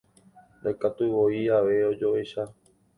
Ndaikatuivoi ave ojoecha.